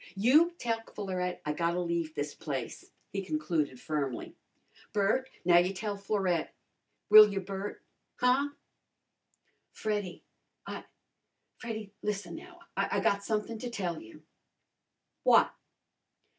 "You tell Florette I gotta leave this place," he concluded firmly. "Bert, now you tell Florette. Will you, Bert? Huh?" "Freddy I Freddy, lissen now. I got somethin' to tell you." "What?"